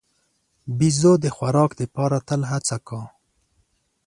بیزو د خوراک لپاره تل هڅه کوي.